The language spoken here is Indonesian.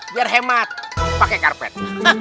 biar hemat pakai karpet